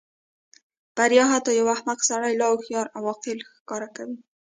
بریا حتی یو احمق سړی لا هوښیار او عاقل ښکاره کوي.